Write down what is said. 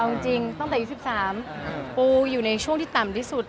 เอาจริงตั้งแต่อายุ๑๓ปูอยู่ในช่วงที่ต่ำที่สุด